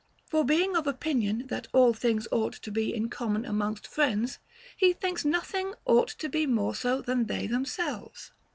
For being of opinion that all things ought to be in common amongst friends, he thinks nothing ought to be more so than they themselves.